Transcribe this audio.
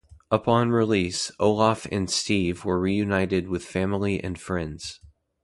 Upon release, Olaf and Steve were reunited with family and friends.